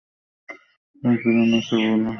তার প্রাণ আছে বলে।